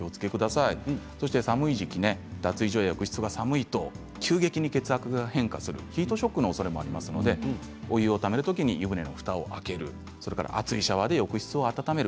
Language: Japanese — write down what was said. そして寒い時期脱衣所や浴室が寒いと急激に血圧が変化するヒートショックのおそれがありますので、お湯をためる時に湯船のふたを開ける熱いシャワーで浴室を温める。